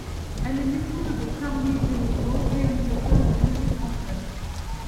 Elle est l’épouse de Charli Beleteau, réalisateur de séries françaises.